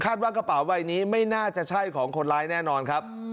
ว่ากระเป๋าใบนี้ไม่น่าจะใช่ของคนร้ายแน่นอนครับ